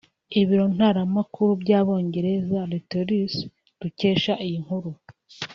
Ibiro ntaramakuru by’Abongereza Reuters dukesha iyi nkuru